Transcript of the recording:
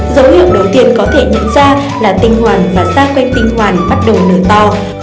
dấu hiệu đầu tiên có thể nhận ra là tinh hoàng và xa quanh tinh hoàng bắt đầu nở to